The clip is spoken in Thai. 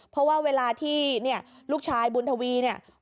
เพราะว่าเวลาที่เนี่ยลูกชายบุญทวีเนี่ย